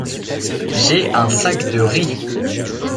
J’ai un sac de riz.